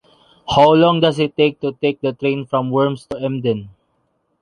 How long does it take to take the train from Worms to Emden?